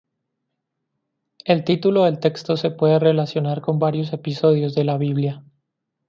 El título del texto se puede relacionar con varios episodios de la Biblia.